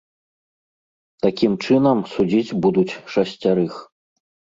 Такім чынам, судзіць будуць шасцярых.